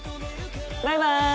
バイバイ！